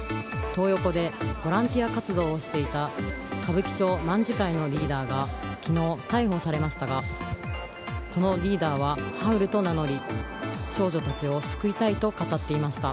トー横でボランティア活動をしていた歌舞伎町卍会のリーダーが昨日逮捕されましたがこのリーダーはハウルと名乗り少女たちを救いたいと語っていました。